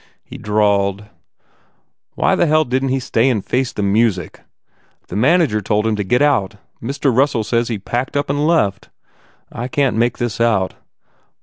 He drawled, "Why the hell didn t he stay and face the music? The manager told him to get out. Mr. Russell says he just packed up and left. I can t make this out.